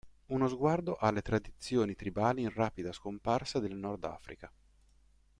Uno sguardo alle tradizioni tribali in rapida scomparsa del Nord Africa.